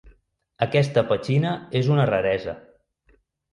Aquesta petxina és una raresa.